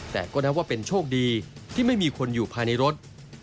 แต่ก็นับว่าเป็นโชคดีที่ไม่มีคนอยู่ภายในรถ